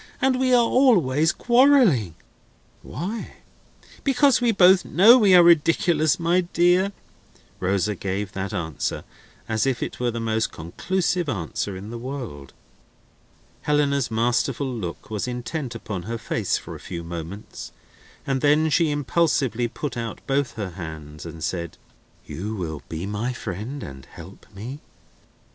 And we are always quarrelling." "Why?" "Because we both know we are ridiculous, my dear!" Rosa gave that answer as if it were the most conclusive answer in the world. Helena's masterful look was intent upon her face for a few moments, and then she impulsively put out both her hands and said: "You will be my friend and help me?"